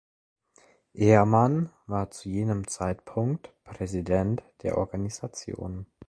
Ehrmann war zu jenem Zeitpunkt Präsident der Organisation.